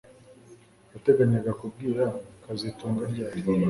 Wateganyaga kubwira kazitunga ryari